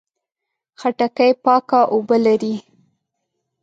خټکی پاکه اوبه لري.